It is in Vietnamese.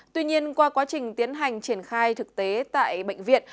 tuy nhiên qua quá trình tiến hành triển khai thực tế tại bệnh viện